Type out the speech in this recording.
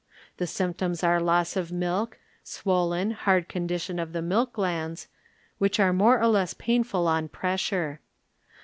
The symptoms are loss of milk, swollen, hard condition of the milk glands, which are .nore or less painful on pressure.